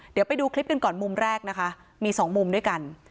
เดี๋ยวไปดูคลิปกันก่อนมุมแรกนะคะมีสองมุมด้วยกัน